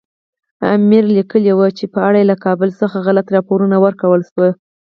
امیر لیکلي وو چې په اړه یې له کابل څخه غلط راپورونه ورکړل شوي.